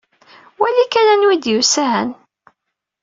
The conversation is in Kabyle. Wali kan anwa i d-yusan?